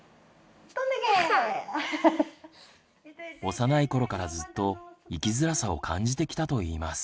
幼い頃からずっと生きづらさを感じてきたといいます。